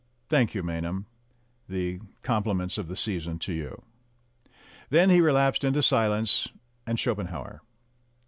"Thank you, Maynham. The compliments of the season to you." Then he re lapsed into silence and Schopenhauer.